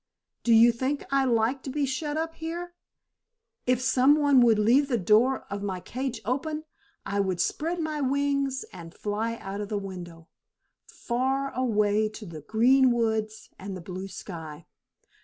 Do you think I like to be shut up here? If some one would leave the door of my cage open, I would spread my wings and fly out of the window, far away to the green woods and the blue sky.